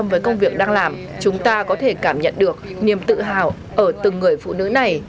với công việc đang làm chúng ta có thể cảm nhận được niềm tự hào ở từng người phụ nữ này